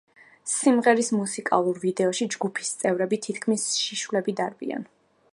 სიმღერის მუსიკალურ ვიდეოში ჯგუფის წევრები თითქმის შიშვლები დარბიან.